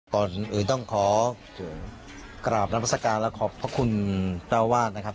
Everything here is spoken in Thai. ก่อนอื่นต้องขอกราบนามัศกาลและขอบพระคุณเจ้าวาดนะครับ